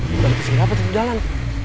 di balik ke sini apa tuh jalan